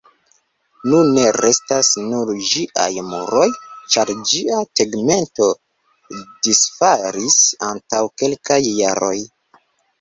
Nune restas nur ĝiaj muroj, ĉar ĝia tegmento disfalis antaŭ kelkaj jaroj.